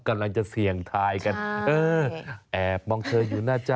กำลังจะเสี่ยงทายกันเออแอบมองเธออยู่หน้าจอ